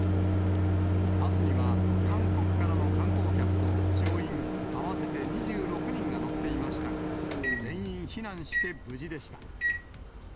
バスには韓国からの観光客と乗員合わせて２６人が乗っていましたが、全員避難して無事でした。